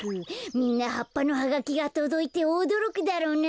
みんなはっぱのハガキがとどいておどろくだろうな。